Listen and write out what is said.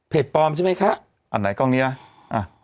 ปลอมใช่ไหมคะอันไหนกล้องนี้นะอ่ะ